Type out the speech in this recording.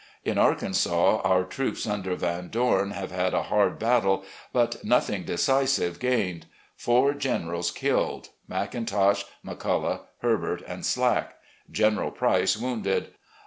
In Arkansas our troops under Van Dom have had a hard battle, but nothing decisive gained. Four generals killed — McIntosh, McCullogh, Herbert, and Slack. General Price wounded.